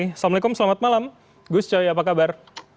assalamualaikum selamat malam gus coy apa kabar